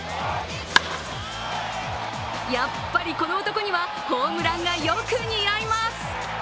やっぱりこの男にはホームランがよく似合います。